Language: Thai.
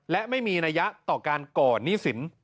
และไม่มีนัยยะต่อการก่อนหนี้สิน